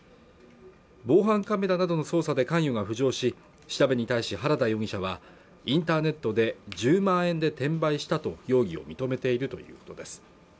防犯カメラなどの捜査で関与が浮上し調べに対し原田容疑者はインターネットで１０万円で転売したと容疑を認めているということです